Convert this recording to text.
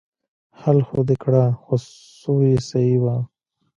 حل خو دې کړه خو څو يې صيي وه.